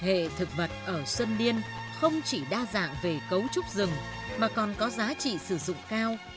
hệ thực vật ở xuân liên không chỉ đa dạng về cấu trúc rừng mà còn có giá trị sử dụng cao